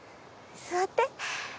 座って。